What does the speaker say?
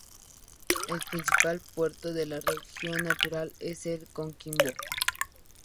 El principal puerto de la región natural es el de Coquimbo.